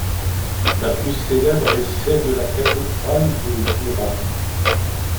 La plus célèbre est celle de la cathédrale de Durham.